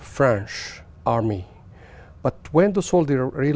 vì vậy quân đội pháp đã gửi ra